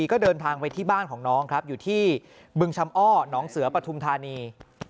ก็เดินทางไปที่บ้านของน้องครับอยู่ที่บึงชำอ้อหนองเสือปฐุมธานี